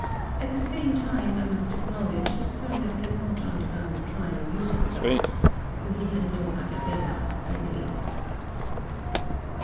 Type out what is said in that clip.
At the same time, I must acknowledge, his firmness has not undergone the trial you have suffered; for he had no Arabella, I believe.'